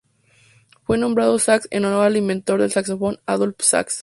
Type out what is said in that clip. Fue nombrado Sax en honor al inventor del saxofón Adolphe Sax.